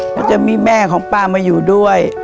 ก็จะมีแม่ของพ่อมาอยู่ด้วย